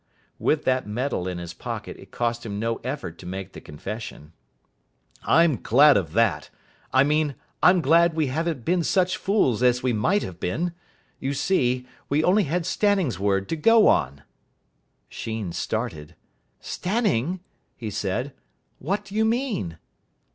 With that medal in his pocket it cost him no effort to make the confession. "I'm glad of that. I mean, I'm glad we haven't been such fools as we might have been. You see, we only had Stanning's word to go on." Sheen started. "Stanning!" he said. "What do you mean?"